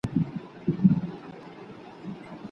مسي لوښي ارزانه نه دي.